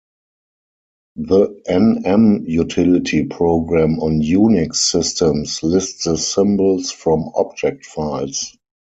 The nm utility program on Unix systems list the symbols from object files.